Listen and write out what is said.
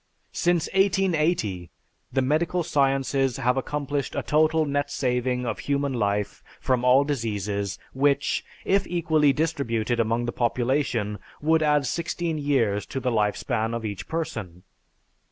Since 1880, the medical sciences have accomplished a total net saving of human life from all diseases which, if equally distributed among the population, would add sixteen years to the life span of each person.